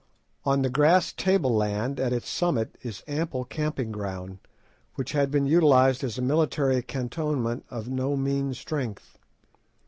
On the grass table land at its summit is ample camping ground, which had been utilised as a military cantonment of no mean strength.